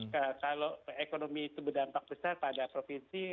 kalau ekonomi itu berdampak besar pada provinsi